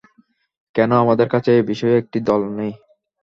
কেন আমাদের কাছে এই বিষয়ে একটি দল নেই?